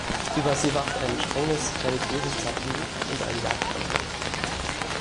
Über sie wacht ein strenges religiöses Tabu und ein Jagdverbot.